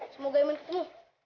semoga imin ketemu